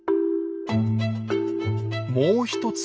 もう一つ